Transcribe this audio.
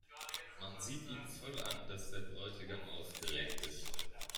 Man sieht ihm voll an, dass der Bräutigam aufgeregt ist.